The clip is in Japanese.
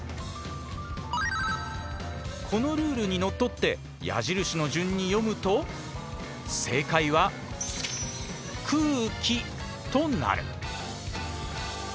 このルールにのっとって矢印の順に読むと正解は「くうき」となる。